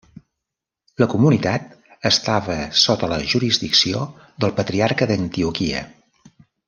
La comunitat estava sota la jurisdicció del Patriarca d'Antioquia.